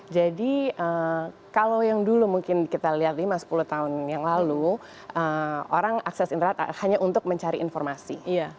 jadi kalau yang dulu mungkin kita lihat lima sepuluh tahun yang lalu orang akses internet hanya untuk mencari informasi